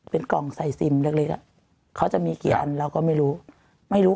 เป็นกล่องใส่ซิมเล็กเล็กอ่ะเขาจะมีกี่อันเราก็ไม่รู้ไม่รู้